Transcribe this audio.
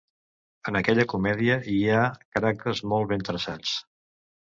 En aquella comèdia hi ha caràcters molt ben traçats.